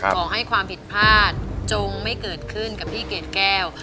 ขอให้ความผิดพลาดจงไม่เกิดขึ้นกับพี่เกดแก้ว